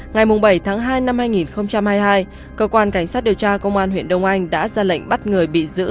ngày bảy tháng hai năm hai nghìn hai mươi hai cơ quan cảnh sát điều tra công an huyện đông anh đã ra lệnh bắt người bị giữ